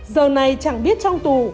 giờ này chẳng biết trong tù